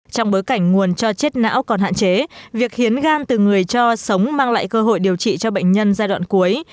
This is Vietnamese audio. trong bối cảnh nguồn cho chết não còn hạn chế việc khiến gan từ người cho sống mang lại cơ hội điều trị cho bệnh nhân giai đoạn cuối